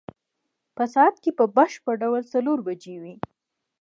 په ساعت کې په بشپړ ډول څلور بجې وې.